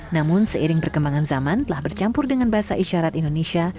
namun seiring perkembangan zaman telah bercampur dengan bahasa isyarat indonesia